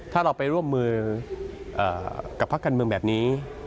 ถ้าเราไปร่วมมือกับพักการเมืองแบบนี้